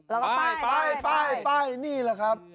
แล้วก็ป้ายนี่เหรอครับเออ